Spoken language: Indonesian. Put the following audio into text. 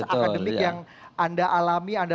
akademik yang anda alami anda